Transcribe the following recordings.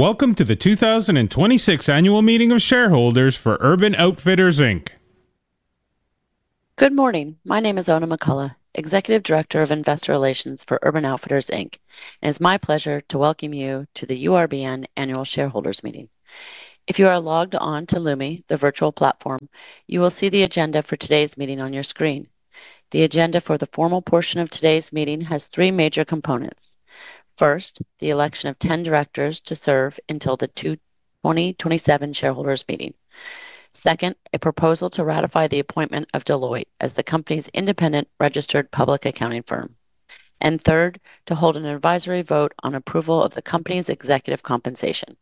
Welcome to the 2026 Annual Meeting of Shareholders for Urban Outfitters Inc. Good morning. My name is Oona McCullough, Executive Director of Investor Relations for Urban Outfitters, Inc. It is my pleasure to welcome you to the URBN annual shareholders meeting. If you are logged on to Lumi, the virtual platform, you will see the agenda for today's meeting on your screen. The agenda for the formal portion of today's meeting has three major components. First, the election of 10 Directors to serve until the 2027 Shareholders Meeting. Second, a proposal to ratify the appointment of Deloitte as the company's independent registered public accounting firm. Third, to hold an advisory vote on approval of the company's Executive compensation.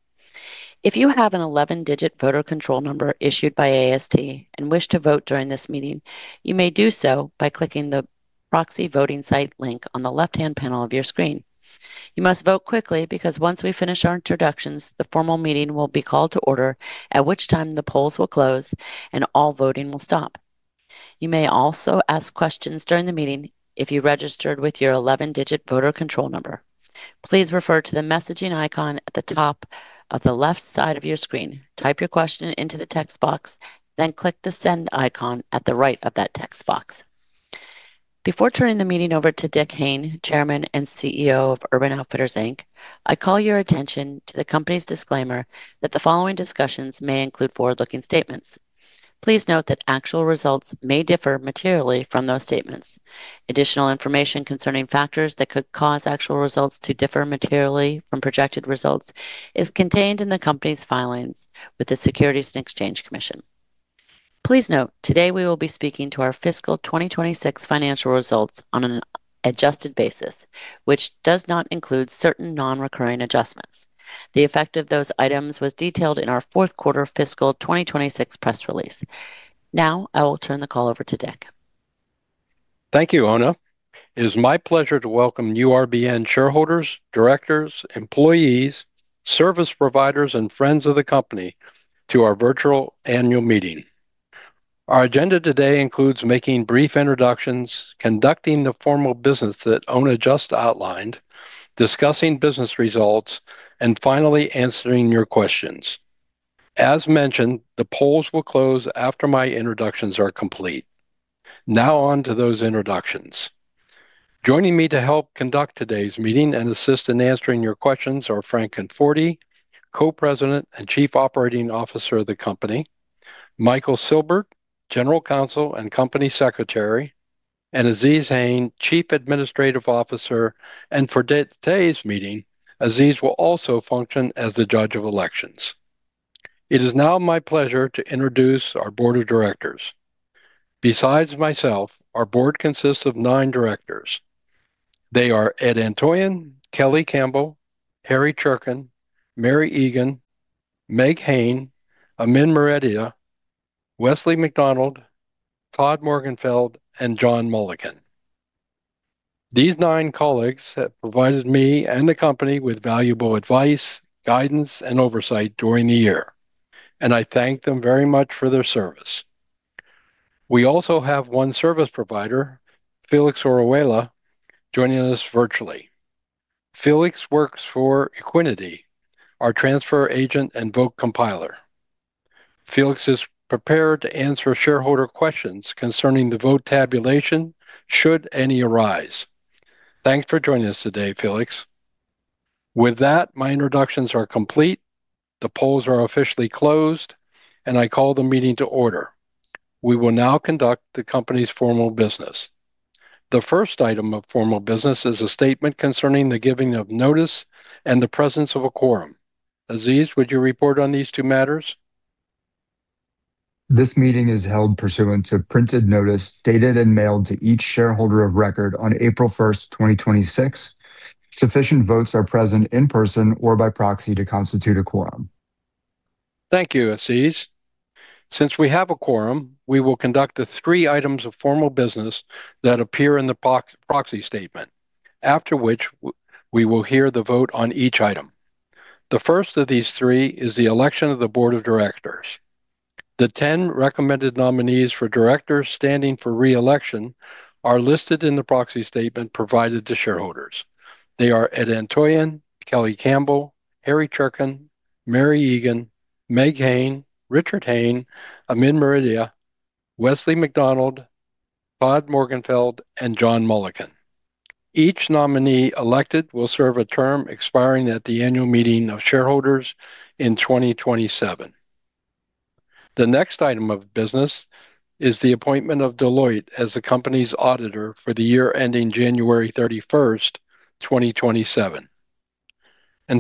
If you have an 11-digit voter control number issued by AST and wish to vote during this meeting, you may do so by clicking the proxy voting site link on the left-hand panel of your screen. You must vote quickly because once we finish our introductions, the formal meeting will be called to order, at which time the polls will close and all voting will stop. You may also ask questions during the meeting if you registered with your 11-digit voter control number. Please refer to the messaging icon at the top of the left side of your screen. Type your question into the text box, then click the send icon at the right of that text box. Before turning the meeting over to Dick Hayne, Chairman and CEO of Urban Outfitters, Inc., I call your attention to the company's disclaimer that the following discussions may include forward-looking statements. Please note that actual results may differ materially from those statements. Additional information concerning factors that could cause actual results to differ materially from projected results is contained in the company's filings with the Securities and Exchange Commission. Please note, today we will be speaking to our fiscal 2026 financial results on an adjusted basis, which does not include certain non-recurring adjustments. The effect of those items was detailed in our fourth quarter fiscal 2026 press release. I will turn the call over to Dick. Thank you, Oona. It is my pleasure to welcome URBN shareholders, Directors, employees, service providers, and friends of the company to our virtual Annual Meeting. Our agenda today includes making brief introductions, conducting the formal business that Oona just outlined, discussing business results, finally answering your questions. As mentioned, the polls will close after my introductions are complete. Now on to those introductions. Joining me to help conduct today's meeting and assist in answering your questions are Frank Conforti, Co-President and Chief Operating Officer of the company, Michael Silbert, General Counsel and Company Secretary, and Azeez Hayne, Chief Administrative Officer. For today's meeting, Azeez will also function as the Judge of Elections. It is now my pleasure to introduce our Board of Directors. Besides myself, our Board consists of nine Directors. They are Ed Antoian, Kelly Campbell, Harry Cherken, Mary Egan, Meg Hayne, Amin Maredia, Wesley McDonald, Todd Morgenfeld, and John Mulliken. These nine colleagues have provided me and the company with valuable advice, guidance, and oversight during the year, and I thank them very much for their service. We also have one service provider, Felix Orihuela, joining us virtually. Felix works for Equiniti, our transfer agent and vote compiler. Felix is prepared to answer shareholder questions concerning the vote tabulation, should any arise. Thanks for joining us today, Felix. With that, my introductions are complete, the polls are officially closed, and I call the meeting to order. We will now conduct the company's formal business. The first item of formal business is a statement concerning the giving of notice and the presence of a quorum. Azeez, would you report on these two matters? This meeting is held pursuant to printed notice dated and mailed to each shareholder of record on April 1st, 2026. Sufficient votes are present in person or by proxy to constitute a quorum. Thank you, Azeez. Since we have a quorum, we will conduct the three items of formal business that appear in the proxy statement, after which we will hear the vote on each item. The first of these three is the election of the Board of Directors. The 10 recommended nominees for directors standing for re-election are listed in the proxy statement provided to shareholders. They are Ed Antoian, Kelly Campbell, Harry Cherken, Mary Egan, Meg Hayne, Richard Hayne, Amin Maredia, Wesley McDonald, Todd Morgenfeld, and John Mulliken. Each nominee elected will serve a term expiring at the Annual Meeting of Shareholders in 2027. The next item of business is the appointment of Deloitte as the company's auditor for the year ending January 31st, 2027.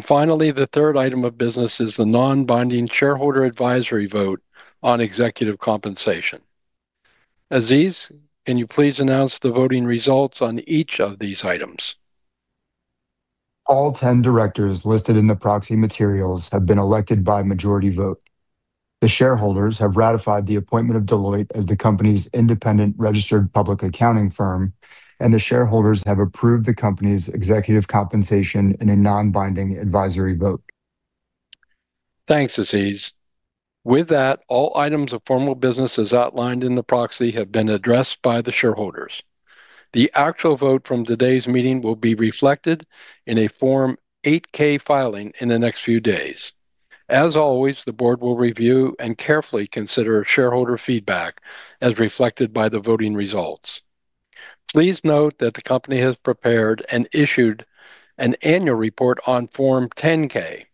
Finally, the third item of business is the non-binding shareholder advisory vote on Executive compensation. Azeez, can you please announce the voting results on each of these items? All 10 Directors listed in the proxy materials have been elected by majority vote. The shareholders have ratified the appointment of Deloitte as the company's independent registered public accounting firm. The shareholders have approved the company's Executive compensation in a non-binding advisory vote. Thanks, Azeez. With that, all items of formal business as outlined in the proxy have been addressed by the shareholders. The actual vote from today's meeting will be reflected in a Form 8-K filing in the next few days. As always, the Board will review and carefully consider shareholder feedback as reflected by the voting results. Please note that the company has prepared and issued an annual report on Form 10-K.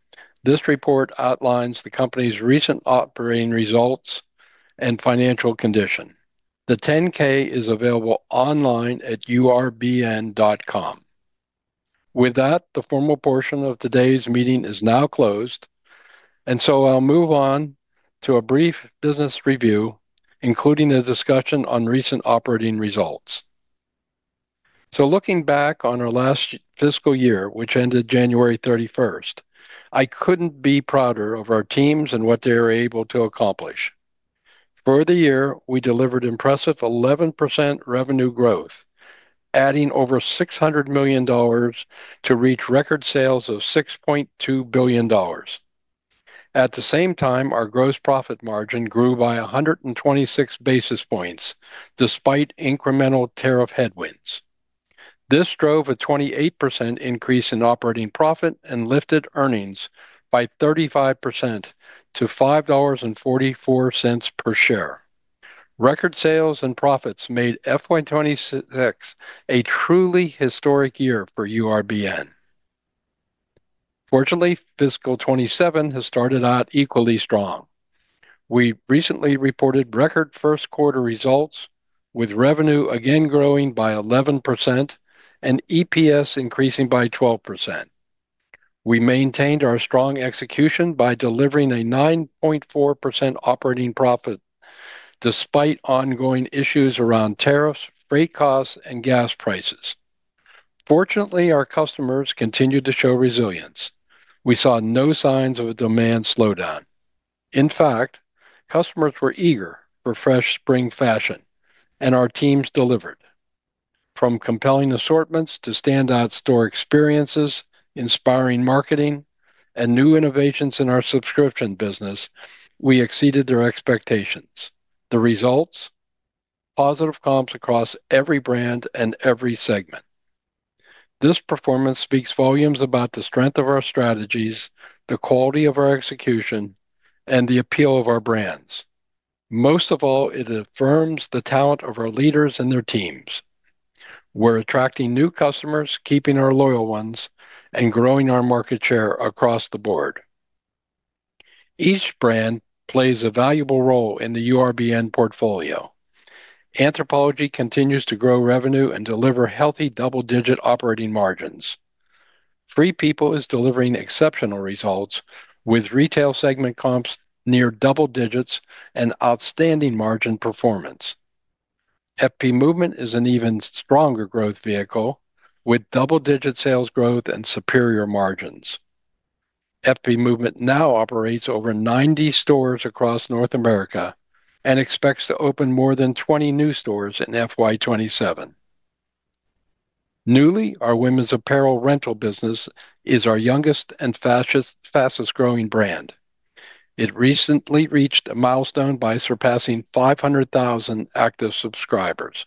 This report outlines the company's recent operating results and financial condition. The 10-K is available online at urbn.com. With that, the formal portion of today's meeting is now closed. I'll move on to a brief business review, including a discussion on recent operating results. Looking back on our last fiscal year, which ended January 31st, I couldn't be prouder of our teams and what they were able to accomplish. For the year, we delivered impressive 11% revenue growth, adding over $600 million to reach record sales of $6.2 billion. At the same time, our gross profit margin grew by 126 basis points despite incremental tariff headwinds. This drove a 28% increase in operating profit and lifted earnings by 35% to $5.44 per share. Record sales and profits made FY 2026 a truly historic year for URBN. Fortunately, fiscal 2027 has started out equally strong. We recently reported record first quarter results with revenue again growing by 11% and EPS increasing by 12%. We maintained our strong execution by delivering a 9.4% operating profit despite ongoing issues around tariffs, freight costs, and gas prices. Fortunately, our customers continued to show resilience. We saw no signs of a demand slowdown. In fact, customers were eager for fresh spring fashion, and our teams delivered. From compelling assortments to standout store experiences, inspiring marketing, and new innovations in our subscription business, we exceeded their expectations. The results, positive comps across every brand and every segment. This performance speaks volumes about the strength of our strategies, the quality of our execution, and the appeal of our brands. Most of all, it affirms the talent of our leaders and their teams. We're attracting new customers, keeping our loyal ones, and growing our market share across the board. Each brand plays a valuable role in the URBN portfolio. Anthropologie continues to grow revenue and deliver healthy double-digit operating margins. Free People is delivering exceptional results with retail segment comps near double digits and outstanding margin performance. FP Movement is an even stronger growth vehicle with double-digit sales growth and superior margins. FP Movement now operates over 90 stores across North America and expects to open more than 20 new stores in FY 2027. Nuuly, our women's apparel rental business, is our youngest and fastest growing brand. It recently reached a milestone by surpassing 500,000 active subscribers.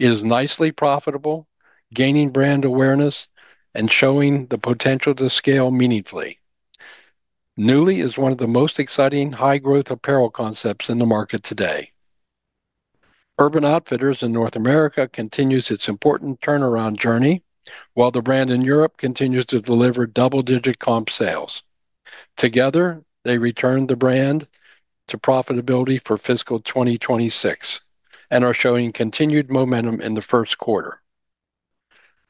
It is nicely profitable, gaining brand awareness, and showing the potential to scale meaningfully. Nuuly is one of the most exciting high-growth apparel concepts in the market today. Urban Outfitters in North America continues its important turnaround journey, while the brand in Europe continues to deliver double-digit comp sales. Together, they returned the brand to profitability for fiscal 2026 and are showing continued momentum in the first quarter.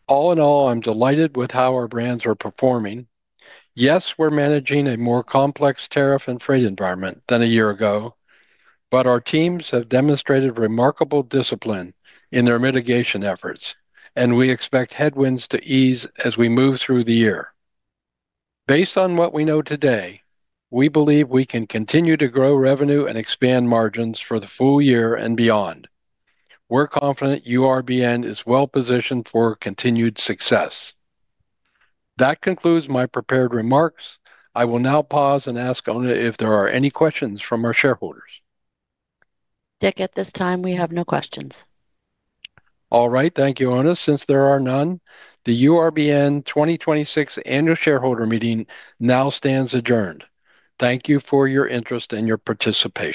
All in all, I'm delighted with how our brands are performing. Yes, we're managing a more complex tariff and trade environment than a year ago, but our teams have demonstrated remarkable discipline in their mitigation efforts, and we expect headwinds to ease as we move through the year. Based on what we know today, we believe we can continue to grow revenue and expand margins for the full year and beyond. We're confident URBN is well-positioned for continued success. That concludes my prepared remarks. I will now pause and ask Oona if there are any questions from our shareholders. Dick, at this time, we have no questions. All right. Thank you, Oona. Since there are none, the URBN 2026 annual shareholder meeting now stands adjourned. Thank you for your interest and your participation.